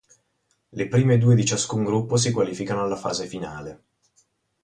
Le prime due di ciascun gruppo si qualificano alla fase finale.